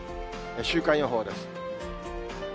週間予報です。